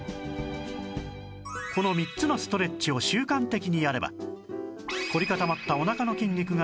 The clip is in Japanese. この３つのストレッチを習慣的にやれば凝り固まったおなかの筋肉が柔軟に